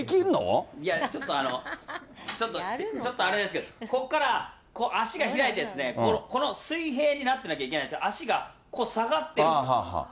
いや、ちょっとあの、ちょっとあれですけど、ここから、こう足が開いて、この水平になってなきゃいけないんですけど、足がこう下がってる。